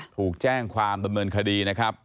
ถูกแจ้งความดำเนินคดีนะครับ